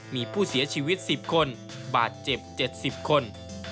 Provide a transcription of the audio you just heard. มีผู้เสียชีวิต๑๐คนบาดเจ็บ๗๐คน